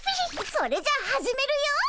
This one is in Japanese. それじゃ始めるよ。